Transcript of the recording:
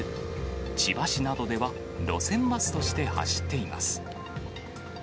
千葉市などでは、路線バスとして走っています。